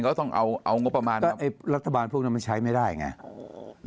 เขาต้องเอาเอางบประมาณก็ไอ้รัฐบาลพวกนั้นมันใช้ไม่ได้ไงอ๋อ